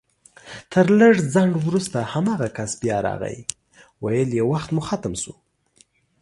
تر لږ ځنډ وروسته هماغه کس بيا راغی ويل يې وخت مو ختم شو